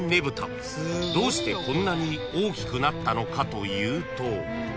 ［どうしてこんなに大きくなったのかというと］